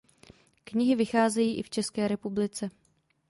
Knihy vycházejí i v České republice.